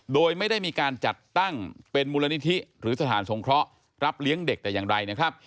โดยไม่ได้มีการจัดตั้งเป็นมูลนิธิหรือสถานสงเคราะห์รับเลี้ยงเด็กแต่อย่างใดนะครับ